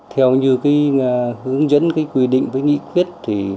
theo như hướng dẫn quy định với nghị quyết